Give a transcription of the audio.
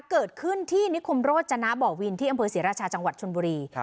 เกิดขึ้นที่นิคมโรจนะบ่อวินที่อำเภอศรีราชาจังหวัดชนบุรี